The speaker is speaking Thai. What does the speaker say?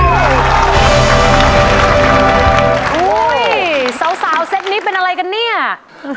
โอ้โหสาวเซ็ตนี้เป็นอะไรกันเนี่ย